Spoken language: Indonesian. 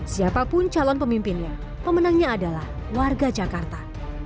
siapapun calon pemimpinnya pemenangnya adalah warga jakarta